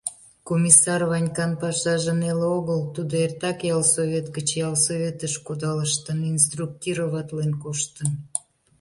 Комиссар Ванькан пашаже неле огыл, тудо эртак ялсовет гыч ялсоветыш кудалыштын, инструктироватлен коштын.